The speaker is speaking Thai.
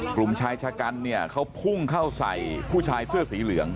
กลุ่มชายชะกันเนี่ยเขาพุ่งเข้าใส่ผู้ชายเสื้อสีเหลือง